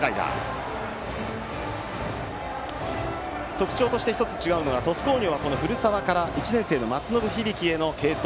特徴として１つ違うのが鳥栖工業は古澤から１年生の松延響への継投。